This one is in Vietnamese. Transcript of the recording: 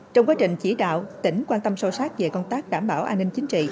trong quá trình chỉ đạo tỉnh quan tâm sâu sát về công tác đảm bảo an ninh chính trị